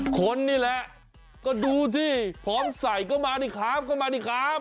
คนนี่แหละก็ดูสิพร้อมใส่ก็มาดีครับก็มาดีครับ